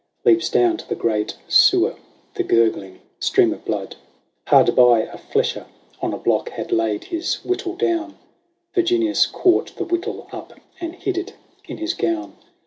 Leaps down to the great sewer the gurgling stream of blood. Hard by, a flesher on a block had laid his whittle down : Yirginius caught the w^hittle up, and hid it in his gown.